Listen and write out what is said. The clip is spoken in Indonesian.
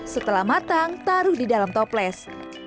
setelah matang taruh di dalam toples